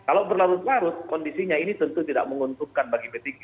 kalau berlarut larut kondisinya ini tentu tidak menguntungkan bagi p tiga